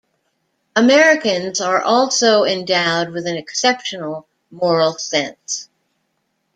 Americans are also endowed with an exceptional moral sense.